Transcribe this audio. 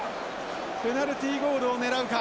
ペナルティーゴールを狙うか。